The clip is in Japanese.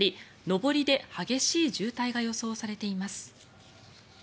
上りで激しい渋滞が予想されています。